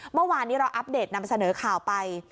เมื่อวานนี้เราอัปเดตนำเสนอข่าวไป